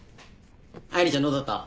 愛梨ちゃんどうだった？